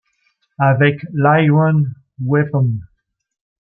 Avec l’iron-weapon.